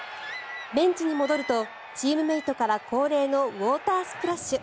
ベンチに戻るとチームメートから恒例のウォータースプラッシュ。